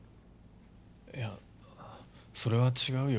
いやそれは違うよ。